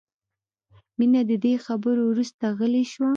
مینه د دې خبرو وروسته غلې شوه